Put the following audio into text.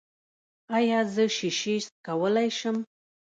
ایا زه شیشې څکولی شم؟